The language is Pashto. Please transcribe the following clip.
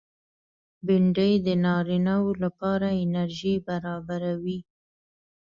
بېنډۍ د نارینه و لپاره انرژي برابروي